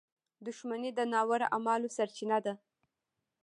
• دښمني د ناوړه اعمالو سرچینه ده.